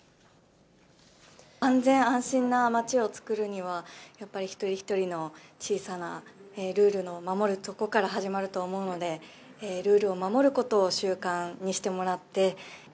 安全安心なまちをつくるには、やっぱり一人一人の小さなルールを守るところから始まると思うので、ルールを守ることを習慣にしてもらって。